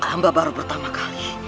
amba baru pertama kali